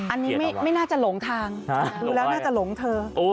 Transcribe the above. อันนี้ไม่น่าจะหลงทางดูแล้วน่าจะหลงเธอ